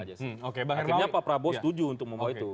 akhirnya pak prabowo setuju untuk membawa itu